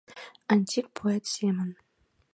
Антик поэт семын